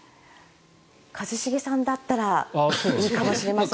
一茂さんだったらいいかもしれませんが。